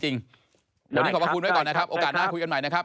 วันนี้ขอบพระคุณไว้ก่อนนะครับโอกาสหน้าคุยกันใหม่นะครับ